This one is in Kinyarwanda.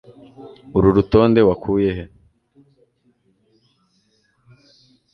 Uru rutonde wakuye he?